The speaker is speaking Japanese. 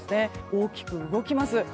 大きく動きます。